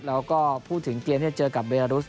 แล้วก็พูดถึงเกมที่จะเจอกับเบรารุส